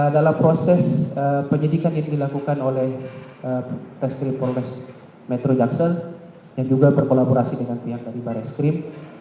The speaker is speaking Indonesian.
dalam proses penyidikan yang dilakukan oleh preskrip prokes metro jakarta yang juga berkolaborasi dengan pihak dari preskrip